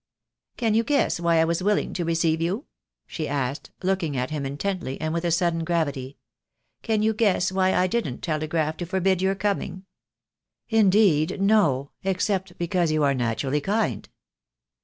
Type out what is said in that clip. "Can you guess why I was willing to receive you?" she asked, looking at him intently and with a sudden gravity. "Can you guess why I didn't telegraph to for bid your coming?" "Indeed, no, except because you are naturally kind."